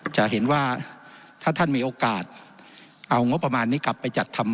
จะเห็นว่าถ้าท่านมีโอกาสเอางบประมาณนี้กลับไปจัดทำ